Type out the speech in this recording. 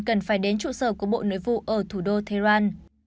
cần phải đến trụ sở của bộ nội vụ ở thủ đô tehran